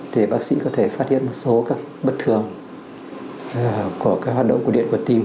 thì bác sĩ có thể phát hiện một số các bất thường của cái hoạt động của điện cột tim